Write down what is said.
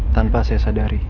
tanpa saya sadari